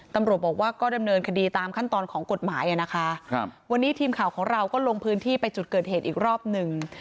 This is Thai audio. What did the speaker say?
ตำรวจบอกว่าก็ดำเนินคดีตามขั้นตอนของกฎหมายอ่ะนะคะครับวันนี้ทีมข่าวของเราก็ลงพื้นที่ไปจุดเกิดเหตุอีกรอบหนึ่ง